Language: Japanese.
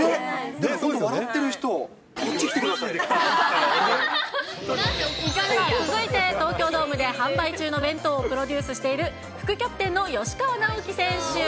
笑ってる人、こっち来てください続いて、東京ドームで販売中の弁当をプロデュースしている副キャプテンの吉川尚輝選手。